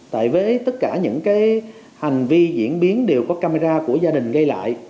tại với tất cả những cái hành vi diễn biến đều có camera của gia đình gây lại